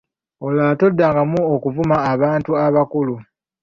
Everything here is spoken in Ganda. Olulala tokiddangamu okuvuma abantu abakulu.